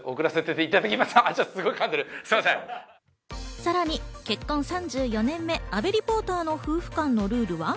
さらに結婚３４年目、阿部リポーターの夫婦間のルールは？